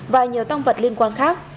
và nhiều tăng vật liên quan khác